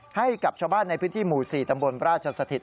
ให้กับชาวบ้านในพื้นที่หมู่๔ตำบลราชสถิต